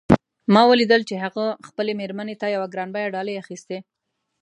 ما ولیدل چې هغه خپلې میرمن ته یوه ګران بیه ډالۍ اخیستې